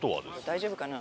大丈夫かな？